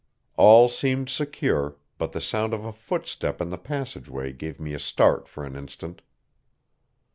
All seemed secure, but the sound of a footstep in the passageway gave me a start for an instant.